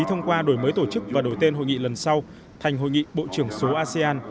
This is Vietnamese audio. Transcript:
thông qua đổi mới tổ chức và đổi tên hội nghị lần sau thành hội nghị bộ trưởng số asean